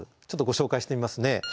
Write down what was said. ちょっとご紹介してみますね。